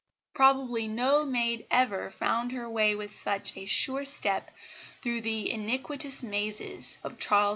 Probably no maid ever found her way with such a sure step through the iniquitous mazes of Charles II.'